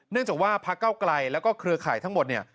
เนื่องจากว่าพรรคเก้ากลายและเครือไข่ทั้งหมดเนี่ย